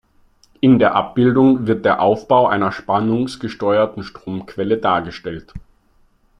In der Abbildung wird der Aufbau einer spannungsgesteuerten Stromquelle dargestellt.